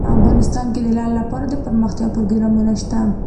افغانستان کې د لعل لپاره دپرمختیا پروګرامونه شته.